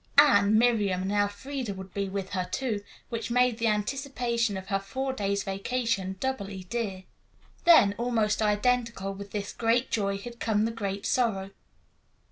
Anne, Miriam and Elfreda would be with her, too, which made the anticipation of her four days' vacation doubly dear. Then almost identical with this great joy had come the great sorrow.